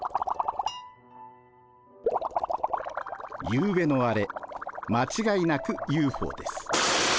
ゆうべのあれ間違いなくＵＦＯです。